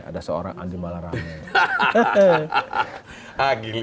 ada seorang andi malarang